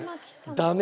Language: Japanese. ダメ？